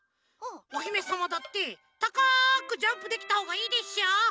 おひめさまだってたかくジャンプできたほうがいいでしょう？